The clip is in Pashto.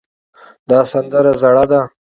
دا سندره زړه ده